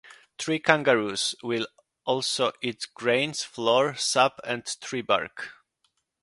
Tree-kangaroos will also eat grains, flour, sap and tree bark.